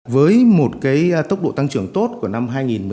với một tốc độ tăng trưởng tốt của năm hai nghìn một mươi bốn